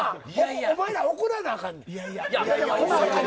おまえら怒らなあかんねん。